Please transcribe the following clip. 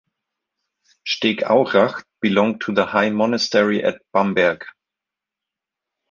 Stegaurach belonged to the High Monastery at Bamberg.